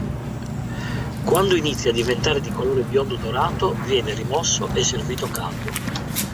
Quando inizia a diventare di colore biondo dorato, viene rimosso e servito caldo.